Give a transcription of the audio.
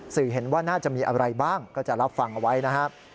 สื่อเห็นว่าน่าจะมีอะไรบ้างก็จะรับฟังเอาไว้นะครับ